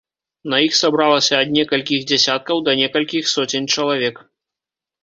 На іх сабралася ад некалькіх дзясяткаў да некалькіх соцень чалавек.